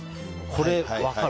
これ、分かる。